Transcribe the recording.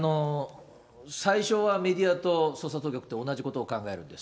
最初はメディアと捜査当局って、同じことを考えるんです。